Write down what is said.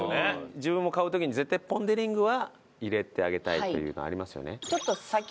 自分も買う時に絶対ポン・デ・リングは入れてあげたいというのはありますよね？